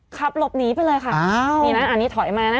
ขับหลบหนีไปเลยค่ะอ้าวนี่นะอันนี้ถอยมานะ